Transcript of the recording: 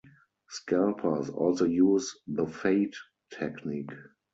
Scalpers also use the "fade" technique.